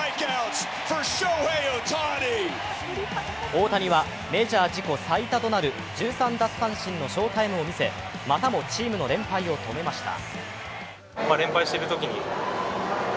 大谷はメジャー自己最多となる１３奪三振の翔タイムを見せまたもチームの連敗を止めました。